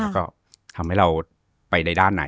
ก็ทำให้เราไปใดด้านไหน